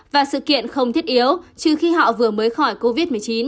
và sự kiện không thiết yếu trừ khi họ vừa mới khỏi covid một mươi chín